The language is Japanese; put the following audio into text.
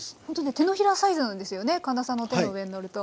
手のひらサイズなんですよね神田さんの手の上にのると。